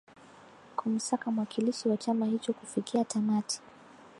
kumsaka mwakilishi wa chama hicho kufikia tamati